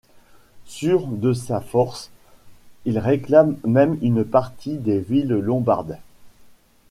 Sûr de sa force, il réclame même une partie des villes lombardes.